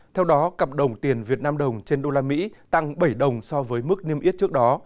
theo đó cặp đồng tiền việt nam đồng trên đô la mỹ tăng bảy đồng so với mức niêm yết trước đó